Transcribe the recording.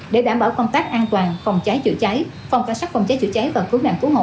để đảm bảo công tác an toàn phòng cháy chữa cháy phòng cảnh sát phòng cháy chữa cháy và cứu nạn cứu hộ